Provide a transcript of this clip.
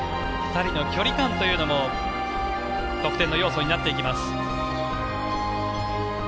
２人の距離感というのも得点の要素になってきます。